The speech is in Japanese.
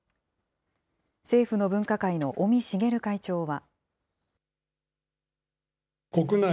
政府の分科会の尾身茂会長は。